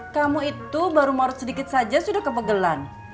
kamu itu baru maut sedikit saja sudah kepegelan